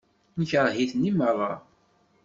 Nekṛeh-iten i meṛṛa.